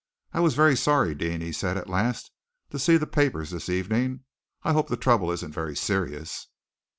"I was very sorry, Deane," he said at last, "to see the papers this evening. I hope the trouble isn't very serious."